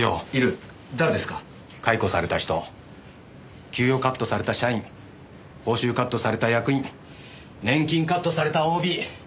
解雇された人給与カットされた社員報酬カットされた役員年金カットされたＯＢ。